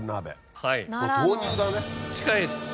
近いです